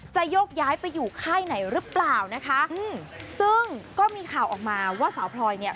โยกย้ายไปอยู่ค่ายไหนหรือเปล่านะคะอืมซึ่งก็มีข่าวออกมาว่าสาวพลอยเนี่ย